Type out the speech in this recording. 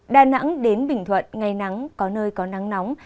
đà nẵng đến bình thuận ngày nắng có nơi có nắng nóng